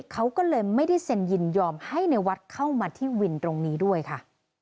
เขาก็เลยไม่ได้เซ็นยินยอมให้ในวัดเข้ามาที่วินตรงนี้ด้วยค่ะ